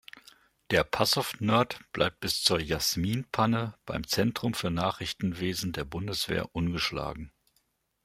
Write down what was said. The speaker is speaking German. Der Passow-Nerd bleibt bis zur „Jasmin“-Panne beim Zentrum für Nachrichtenwesen der Bundeswehr ungeschlagen.